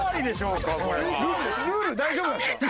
ルール大丈夫なんですか？